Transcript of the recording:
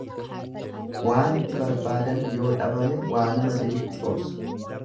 Waanti barbaadan yoo dhabame waanuma jirutti obsu.